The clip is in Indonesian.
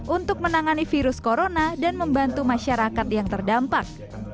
untuk menangani virus corona dan membantu masyarakat yang terdampak